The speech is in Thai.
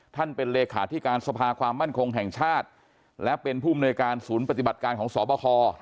เป็นเลขาธิการสภาความมั่นคงแห่งชาติและเป็นผู้มนวยการศูนย์ปฏิบัติการของสบค